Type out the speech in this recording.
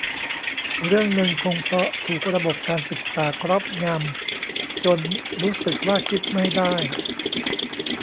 เรื่องนึงคงเพราะถูกระบบการศึกษาครอบงำจนรู้สึกว่าคิดไม่ได้